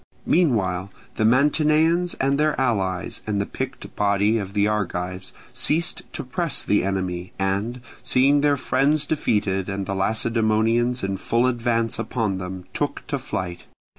Meanwhile the Mantineans and their allies and the picked body of the Argives ceased to press the enemy, and seeing their friends defeated and the Lacedaemonians in full advance upon them, took to flight.